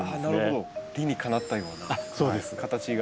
理にかなったような形が。